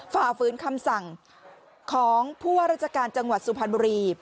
ฝ่าฝืนคำสั่งของผู้ว่าราชการจังหวัดสุพรรณบุรี